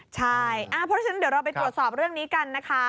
ใช่เพราะฉะนั้นเดี๋ยวเราไปตรวจสอบเรื่องนี้กันนะคะ